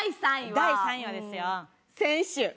第３位はですよ。